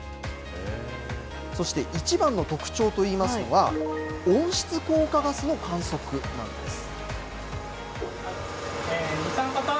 そして、一番の特徴といいますのは、温室効果ガスの観測なんです。